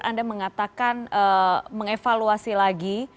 anda mengatakan mengevaluasi lagi